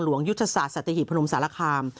หลวงยุทธศาสตร์สัตวิถีพนมสารคาม